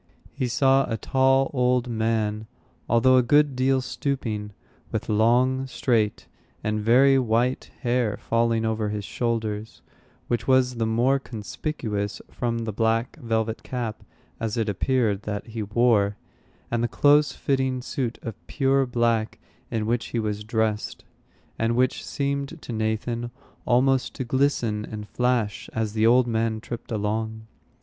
He saw a tall old man, although a good deal stooping, with long, straight, and very white hair falling over his shoulders, which was the more conspicuous from the black velvet cap, as it appeared, that he wore, and the close fitting suit of pure black in which he was dressed, and which seemed to Nathan almost to glisten and flash as the old man tripped along.